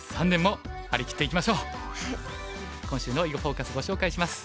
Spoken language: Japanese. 今週の「囲碁フォーカス」ご紹介します。